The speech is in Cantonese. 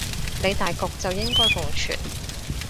理大局就應該共存